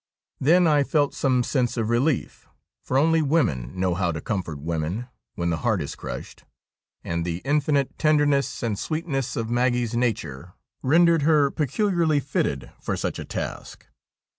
Then I felt some sense of relief, for only women know how to comfort women when the heart is crushed, and the infinite tenderness and sweetness of Maggie's nature rendered her peculiarly fitted for such a task.